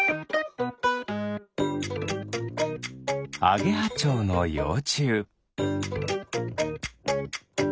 アゲハチョウの幼虫。